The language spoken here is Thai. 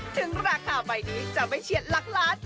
ถึงราคาใบนี้จะไม่เฉียดหลักล้าน